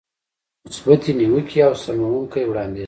مثبتې نيوکې او سموونکی وړاندیز.